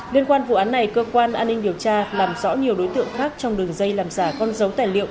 liên quan vụ án này cơ quan an ninh điều tra làm rõ nhiều đối tượng khác trong đường dây làm giả con dấu tài liệu